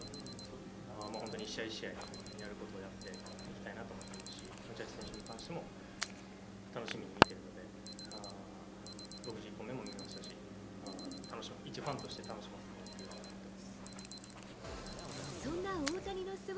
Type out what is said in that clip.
本当に一試合一試合、やることをやっていきたいなと思ってますし、ジャッジ選手に関しても楽しみに見てるので、６１本目も見ましたし、一ファンとして楽しませてもらってるなと思います。